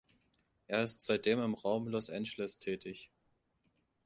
Er ist seitdem im Raum Los Angeles tätig.